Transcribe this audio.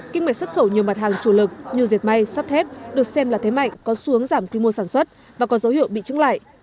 kinh mệnh xuất khẩu nhiều mặt hàng chủ lực như diệt may sắt thép được xem là thế mạnh có xu hướng giảm quy mô sản xuất và có dấu hiệu bị trứng lại